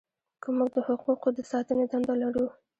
که موږ د حقوقو د ساتنې دنده لرو.